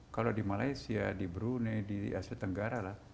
kalau di malaysia di brunei di asia tenggara lah